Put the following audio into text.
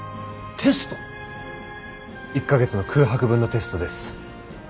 １か月の空白分のテストです。